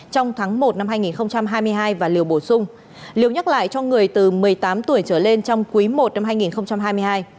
trong tháng một năm hai nghìn hai mươi hai và liều bổ sung liều nhắc lại cho người từ một mươi tám tuổi trở lên trong quý i năm hai nghìn hai mươi hai